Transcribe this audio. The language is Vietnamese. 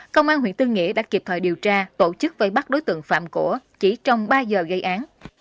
công an huyện tư nghĩa đã kịp thời điều tra tổ chức vây bắt đối tượng phạm của chỉ trong ba giờ gây án